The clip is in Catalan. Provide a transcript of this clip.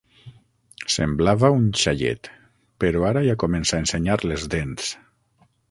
Semblava un xaiet, però ara ja comença a ensenyar les dents.